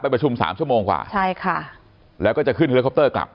ไปประชุม๓ชั่วโมงกว่าแล้วก็จะขึ้นเฮอร์คอปเตอร์กลับ